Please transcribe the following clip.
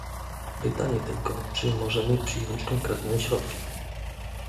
Pytanie tylko, czy możemy przyjąć konkretne środki